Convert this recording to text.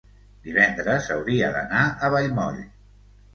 divendres hauria d'anar a Vallmoll.